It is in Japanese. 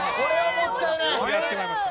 やってしまいました。